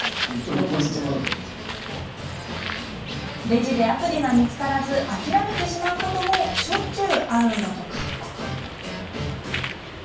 レジでアプリが見つからず諦めてしまうこともしょっちゅうあるんだとか。